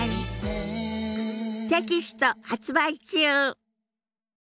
テキスト発売中。